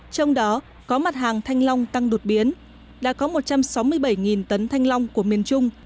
trong đó có mặt hàng thanh long tăng đột biến đã có một trăm sáu mươi bảy tấn thanh long của miền trung